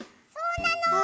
そうなの。